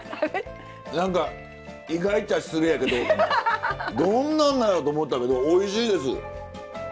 何か意外っちゃ失礼やけどどんなんなんやろうと思ったけどおいしいです。